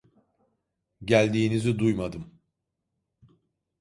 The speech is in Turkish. Geldiğinizi duymadım.